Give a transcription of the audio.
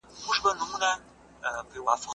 زه مخکي کار کړی و؟